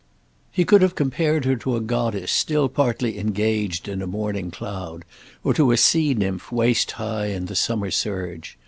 He could have compared her to a goddess still partly engaged in a morning cloud, or to a sea nymph waist high in the summer surge.